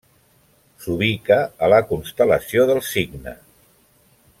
S'ubica a la Constel·lació del Cigne.